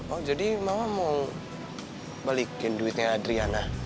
oh jadi mama mau balikin duitnya adriana